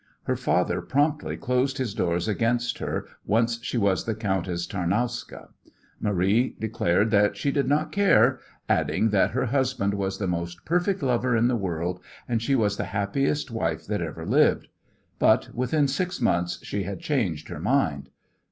Her father promptly closed his doors against her once she was the Countess Tarnowska. Marie declared that she did not care, adding that her husband was the most perfect lover in the world and she was the happiest wife that ever lived. But within six months she had changed her mind.